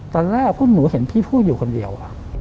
ตอนแรกพวกหนูเห็นพี่พูดอยู่คนเดียว